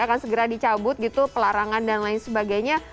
akan segera dicabut gitu pelarangan dan lain sebagainya